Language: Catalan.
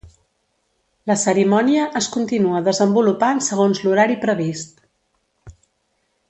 La cerimònia es continua desenvolupant segons l'horari previst.